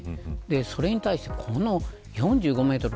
それに対してこの４５メートル。